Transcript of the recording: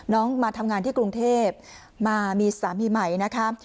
มาทำงานที่กรุงเทพมามีสามีใหม่นะคะ